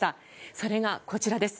それが、こちらです。